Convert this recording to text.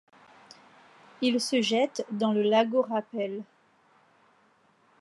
Il se jette dans le Lago Rapel.